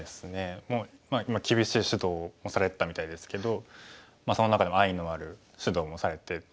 まあ厳しい指導もされてたみたいですけどその中でも愛のある指導もされて。